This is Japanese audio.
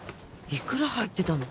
いくら入ってたの？